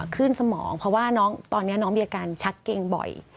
สมองเพราะว่าน้องตอนนี้น้องมีอาการชักเกงบ่อย